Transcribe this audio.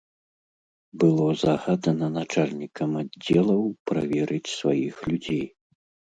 Было загадана начальнікам аддзелаў праверыць сваіх людзей.